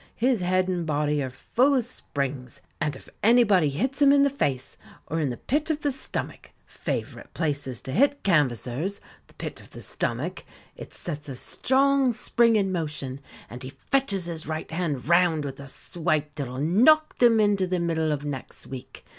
His head and body are full of springs, and if anybody hits him in the face, or in the pit of the stomach favourite places to hit canvassers, the pit of the stomach it sets a strong spring in motion, and he fetches his right hand round with a swipe that'll knock them into the middle of next week.